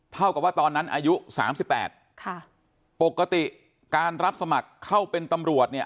เท่ากับว่าตอนนั้นอายุ๓๘ปกติการรับสมัครเข้าเป็นตำรวจเนี่ย